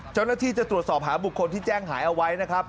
เจ้าหน้าที่จะตรวจสอบหาบุคคลที่แจ้งหายเอาไว้นะครับ